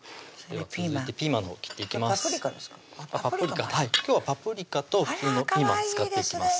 パプリカはい今日はパプリカと普通のピーマン使っていきます